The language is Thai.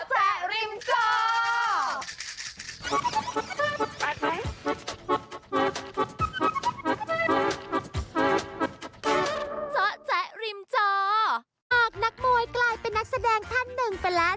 เรานักมวยกลายเป็นนักแสดงพันหนึ่งไปแล้วสำหรับ